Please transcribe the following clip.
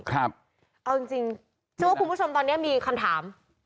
ครับเอาจริงจริงเชื่อว่าคุณผู้ชมตอนเนี้ยมีคำถาม